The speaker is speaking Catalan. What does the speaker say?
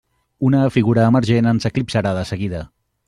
Una figura emergent ens eclipsarà de seguida.